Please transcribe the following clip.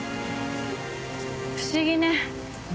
不思議ね。